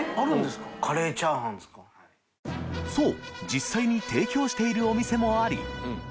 実際に提供しているお店もあり